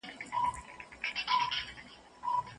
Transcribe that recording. خلک ولې په طبقاتو وېشل کیږي؟